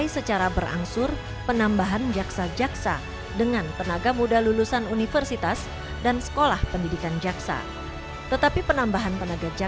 sesuai dengan internasionalnya